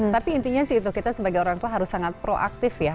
tapi intinya sih itu kita sebagai orang tua harus sangat proaktif ya